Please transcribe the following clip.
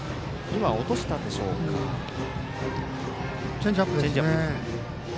チェンジアップですね。